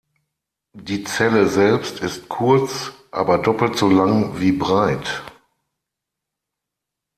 Die Zelle selbst ist kurz, aber doppelt so lang, wie breit.